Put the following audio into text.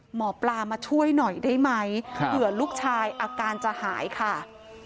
หมอปลามาช่วยหน่อยได้ไหมเผื่อลูกชายอาการจะหายค่ะ